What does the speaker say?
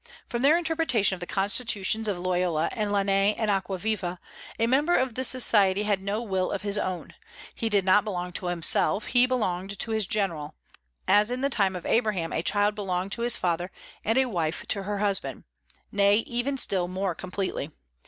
From their interpretation of the constitutions of Loyola and Lainez and Aquaviva, a member of the Society had no will of his own; he did not belong to himself, he belonged to his General, as in the time of Abraham a child belonged to his father and a wife to her husband; nay, even still more completely.